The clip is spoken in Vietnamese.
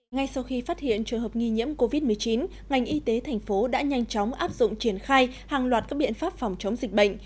ngay sau khi phát hiện trường hợp nghi nhiễm covid một mươi chín ngành y tế thành phố đã nhanh chóng áp dụng triển khai hàng loạt các biện pháp phòng chống dịch bệnh